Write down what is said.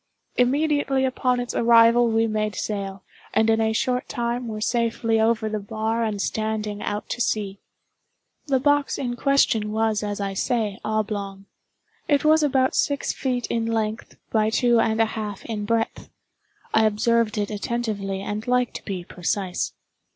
Immediately upon its arrival we made sail, and in a short time were safely over the bar and standing out to sea. The box in question was, as I say, oblong. It was about six feet in length by two and a half in breadth; I observed it attentively, and like to be precise.